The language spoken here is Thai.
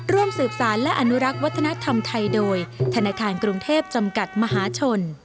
ร่วมสืบสารและอนุรักษ์วัฒนธรรมไทยโดยธนาคารกรุงเทพจำกัดมหาชน